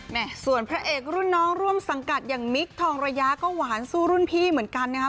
ส่วนพระเอกรุ่นน้องร่วมสังกัดอย่างมิคทองระยะก็หวานสู้รุ่นพี่เหมือนกันนะครับ